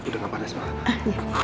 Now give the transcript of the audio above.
udah gak pada sama